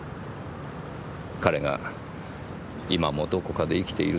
彼が今もどこかで生きているという事を。